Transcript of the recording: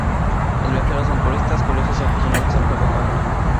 Los viajeros son turistas, curiosos y aficionados al ferrocarril.